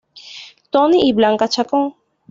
Tony y Blanca Chacón.